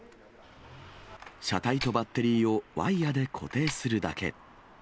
車体とバッテリーをワイヤで固定するだけ。